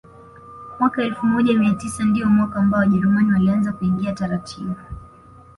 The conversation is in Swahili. Mwaka elfu moja mia tisa ndio mwaka ambao Wajerumani walianza kuingia taratibu